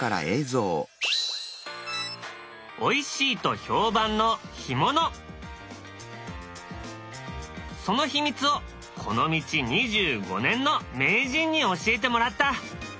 おいしいと評判のその秘密をこの道２５年の名人に教えてもらった。